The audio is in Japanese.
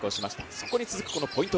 そこに続くポイント